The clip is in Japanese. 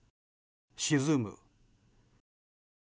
沈む。